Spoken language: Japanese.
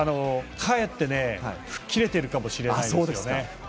かえって吹っ切れてるかもしれないですよね。